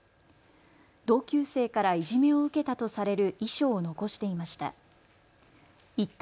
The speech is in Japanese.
同級生からいじめを受けたとされる遺書を残していました。